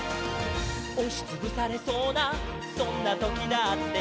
「おしつぶされそうなそんなときだって」